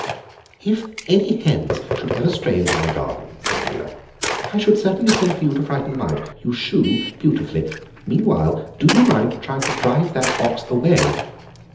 "If any hens should ever stray into my garden," said Adela, "I should certainly send for you to frighten them out. You 'shoo' beautifully. Meanwhile, do you mind trying to drive that ox away?